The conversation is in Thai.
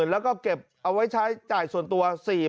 แล้วก็เก็บเอาไว้ใช้จ่ายส่วนตัว